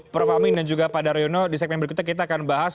prof amin dan juga pak daryono di segmen berikutnya kita akan bahas